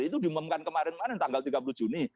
itu diumumkan kemarin kemarin tanggal tiga puluh juni